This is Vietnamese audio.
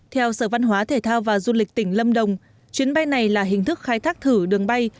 theo sở văn hóa thể thao và du lịch tỉnh lâm đồng chuyến bay này là hình thức khai thác thử đường bay